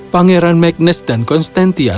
pangeran magnus dan konstantia